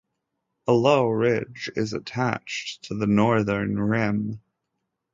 A low ridge is attached to the northern rim.